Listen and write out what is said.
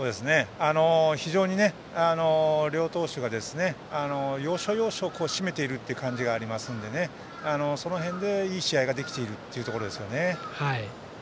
非常に両投手が要所要所を締めている感じがありますのでその辺で、いい試合ができているところですよね。